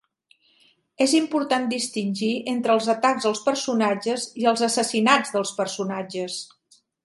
És important distingir entre els atacs als personatges i els assassinats dels personatges.